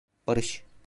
Barış.